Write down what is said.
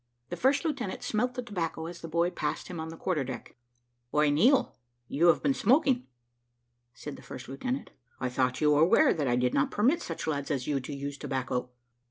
The first lieutenant smelt the tobacco as the boy passed him on the quarter deck. "Why, Neill, you have been smoking," said the first lieutenant. "I thought you were aware that I did not permit such lads as you to use tobacco."